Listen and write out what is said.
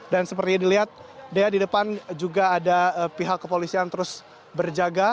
dan seperti dilihat dea di depan juga ada pihak kepolisian terus berjaga